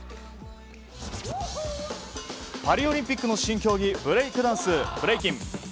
パリオリンピックの新競技ブレイクダンス、ブレイキン。